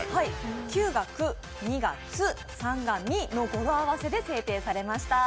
９が、２が、３がの語呂合わせで制定されました。